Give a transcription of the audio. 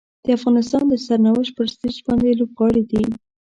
د افغانستان د سرنوشت پر سټیج باندې لوبغاړي دي.